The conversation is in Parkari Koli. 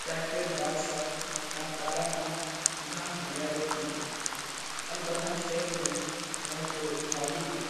تيا ڪيڙ ڀاڌشا نقارا مانه گھا هڻيا رو ڪِيڌو ان ٻڌا شير ۾ رڻڪو واڳي ڳيو۔